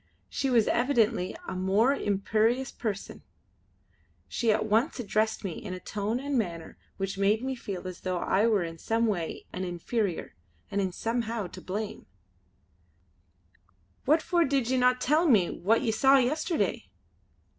She was evidently a most imperious person; she at once addressed me in a tone and manner which made me feel as though I were in some way an inferior, and in somehow to blame: "What for did ye no tell me what ye saw yesterday?"